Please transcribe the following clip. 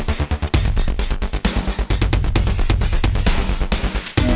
teruskan teruskan teruskan